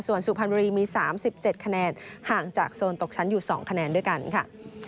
ส่วนสุพรรณบุรีมี๓๗คะแนนห่างจากโซนตกชั้นอยู่๒คะแนนด้วยกันค่ะ